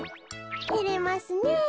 てれますねえ。